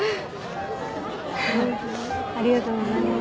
ありがとうございます